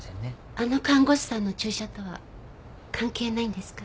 あの看護師さんの注射とは関係ないんですか？